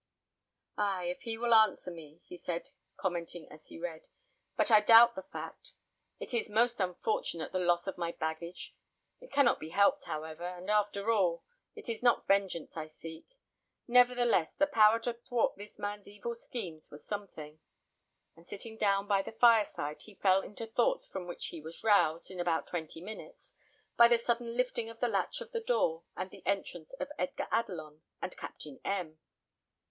"Ay, if he will answer me," he said, commenting as he read; "but I doubt the fact. It is most unfortunate the loss of my baggage. It cannot be helped, however; and after all, it is not vengeance I seek. Nevertheless, the power to thwart this man's evil schemes were something;" and sitting down by the fire side, he fell into thoughts from which he was roused, in about twenty minutes, by the sudden lifting of the latch of the door, and the entrance of Edgar Adelon "and Captain M